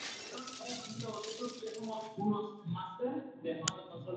Está inmerso en el Parque Nacional Lauca, perteneciente administrativamente a la comuna de Putre.